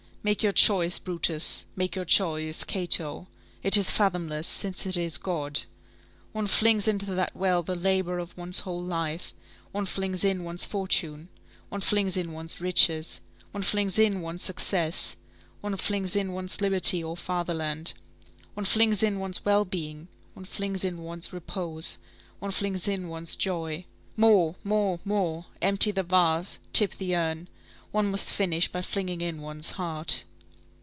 Make your choice, Brutus; make your choice, Cato. It is fathomless, since it is God. One flings into that well the labor of one's whole life, one flings in one's fortune, one flings in one's riches, one flings in one's success, one flings in one's liberty or fatherland, one flings in one's well being, one flings in one's repose, one flings in one's joy! More! more! more! Empty the vase! tip the urn! One must finish by flinging in one's heart.